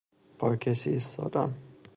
پا کسی ایستادن